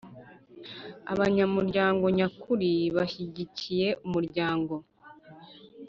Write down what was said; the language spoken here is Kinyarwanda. Abanyamuryango nyakuri bashyigikiye umuryango